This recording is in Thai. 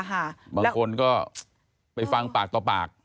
บางคนก็ไปฟังปากต่อปาก